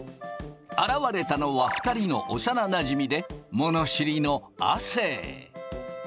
現れたのは２人の幼なじみで物知りの亜生。